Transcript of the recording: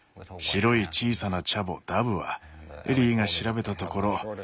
白い小さなチャボダブはエリーが調べたところ